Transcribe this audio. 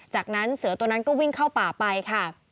จากนั้นเสือตัวนั้นก็วิ่งเข้าป่าไปค่ะ